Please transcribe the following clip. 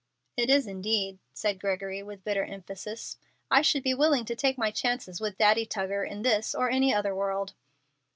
"It is indeed," said Gregory, with bitter emphasis. "I should be willing to take my chances with Daddy Tuggar in this or any other world."